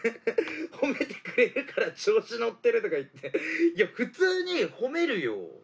褒めてくれるから調子に乗ってるって、普通に褒めるよ。